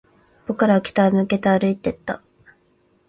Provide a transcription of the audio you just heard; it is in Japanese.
僕らは北に向けて歩いていった